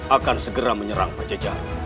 akan segera menyerang pajajaran